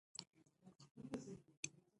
سرحدونه د افغانستان په ستراتیژیک اهمیت کې رول لري.